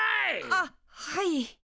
あっはい。